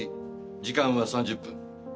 時間は３０分。